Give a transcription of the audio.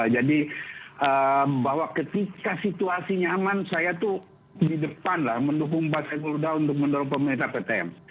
jadi bahwa ketika situasi nyaman saya tuh di depan lah mendukung pak saiful udha untuk mendorong pemerintah ptm